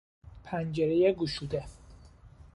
پنجرهی گشوده